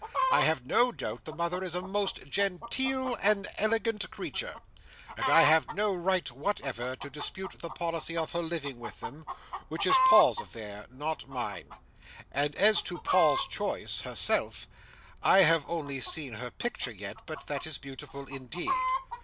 I have no doubt the mother is a most genteel and elegant creature, and I have no right whatever to dispute the policy of her living with them: which is Paul's affair, not mine—and as to Paul's choice, herself, I have only seen her picture yet, but that is beautiful indeed.